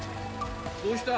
どうした？